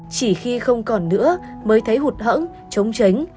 chỉ khi không còn nữa mới thấy hụt hỡng chống chánh